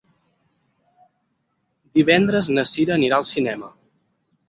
Divendres na Sira anirà al cinema.